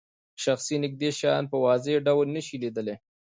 شخص نږدې شیان په واضح ډول نشي لیدلای.